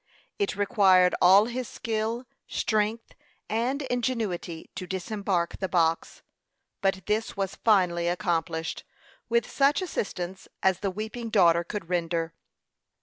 It required all his skill, strength, and ingenuity to disembark the box; but this was finally accomplished, with such assistance as the weeping daughter could render.